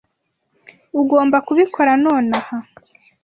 Ugomba kubikora nonaha?